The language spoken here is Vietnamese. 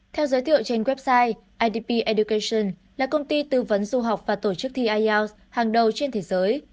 theo giới thiệu trên website idp education là công ty tư vấn du học và tổ chức thi ielts hàng đầu trên thế giới